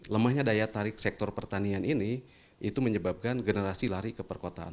lemahnya daya tarik sektor pertanian ini itu menyebabkan generasi lari ke perkotaan